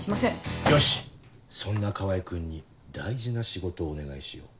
よしそんな川合君に大事な仕事をお願いしよう。